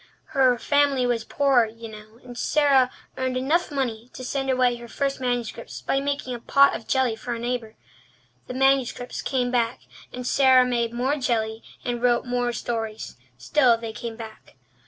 Her family was poor, you know, and Sara earned enough money to send away her first manuscripts by making a pot of jelly for a neighbour. The manuscripts came back, and Sara made more jelly and wrote more stories. Still they came back.